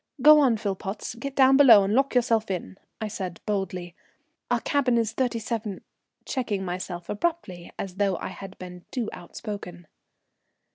"Go on, Philpotts, get down below and lock yourself in," I said boldly. "Our cabin is thirty seven " checking myself abruptly as though I had been too outspoken.